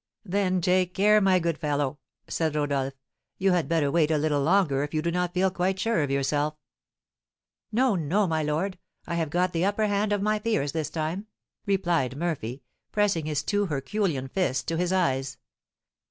"Then take care, my good fellow!" said Rodolph. "You had better wait a little longer if you do not feel quite sure of yourself." "No, no, my lord; I have got the upper hand of my fears this time!" replied Murphy, pressing his two herculean fists to his eyes.